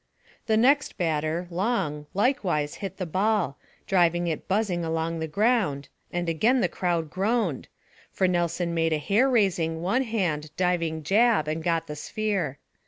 The next batter, Long, likewise hit the ball, driving it buzzing along the ground, and again the crowd groaned; for Nelson made a hair raising, one hand, diving jab and got the sphere.